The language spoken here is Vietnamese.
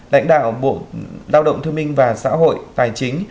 đại đạo bộ đạo động thương minh và xã hội tài chính